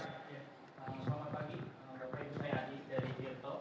selamat pagi bapak ibu saya adi dari girtok